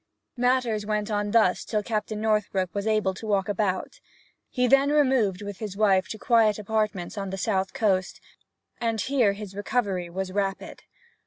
Matters went on thus till Captain Northbrook was able to walk about. He then removed with his wife to quiet apartments on the south coast, and here his recovery was rapid.